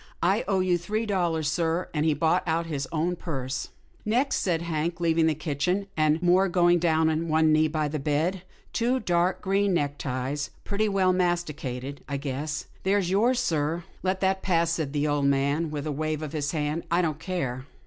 " I owe you three dollars, sir," and he brought out his own purse. 122 'TILDA JANE'S ORPHANS ^' Next," said Hank, leaving the kitchen, and once more going down on his knees by the bed. " Two dark green neckties, pretty well masticated. I guess they're yours, sir." " Let that pass," said the old man with a wave of his hand. " I don't care."